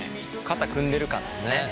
肩組んでる感ですね。